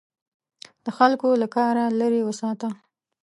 د خلکو له کاره لیرې وساته.